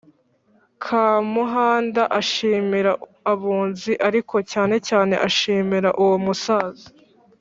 Kamuhanda ashimira abunzi, ariko cyanecyane ashimira uwo musaza